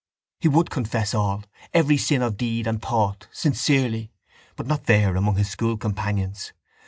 He would confess all, every sin of deed and thought, sincerely; but not there among his school companions.